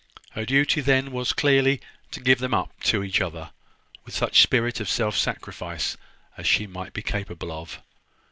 Her duty then was clearly to give them up to each other, with such spirit of self sacrifice as she might be capable of.